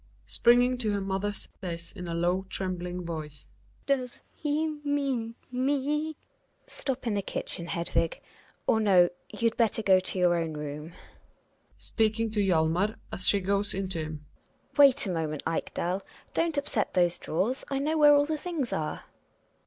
Hedvig (springing to her mother says in a low tremb ling voice). Does he mean me ? Gina. Stop in the kitchen, Hedvig; or no, you'd better go to your own room. (Speaking to Hjalmar as she goes in to him.) Wait a moment, Ekdal, don't upset those drawers, I know where all the things are.